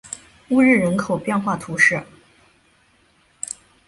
乌日人口变化图示